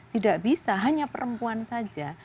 tidak bisa hanya perempuan saja